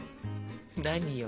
何よ？